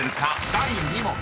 第２問］